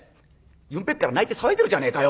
ゆんべっから泣いて騒いでるじゃねえかよ！